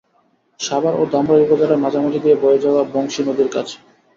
সাভার ও ধামরাই উপজেলার মাঝামাঝি দিয়ে বয়ে যাওয়া বংশী নদীর কাছে।